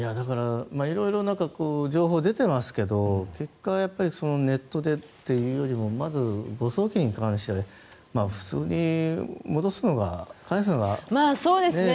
色々情報が出ていますけど結果、ネットでというよりもまず誤送金に関して普通に戻す、返すのが常識なんですよね。